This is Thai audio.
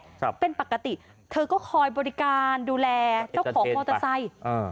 ครับเป็นปกติเธอก็คอยบริการดูแลเจ้าของมอเตอร์ไซค์อ่า